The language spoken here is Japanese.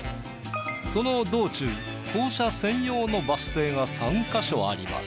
その道中降車専用のバス停が３ヵ所あります。